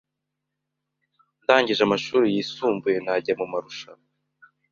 Ndangije amashuri yisumbuye najyaga mu marushanwa